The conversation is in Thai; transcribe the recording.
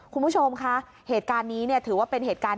คุณผู้ชมคะเหตุการณ์นี้เนี่ยถือว่าเป็นเหตุการณ์